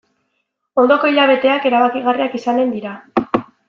Ondoko hilabeteak erabakigarriak izanen dira.